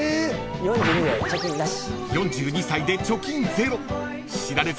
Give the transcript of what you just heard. ４２で貯金なし。